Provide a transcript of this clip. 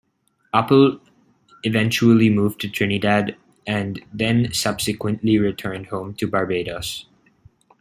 Opel eventually moved to Trinidad and then subsequently returned home to Barbados.